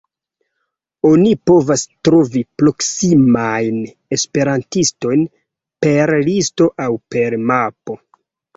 Oni povas trovi proksimajn esperantistojn per listo aŭ per mapo.